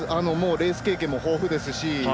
レース経験も豊富ですし。